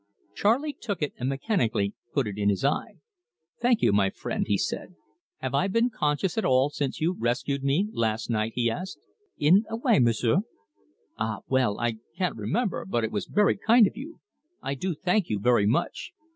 Charley took it and mechanically put it in his eye. "Thank you, my friend," he said. "Have I been conscious at all since you rescued me last night?" he asked. "In a way, M'sieu'." "Ah, well, I can't remember, but it was very kind of you I do thank you very much.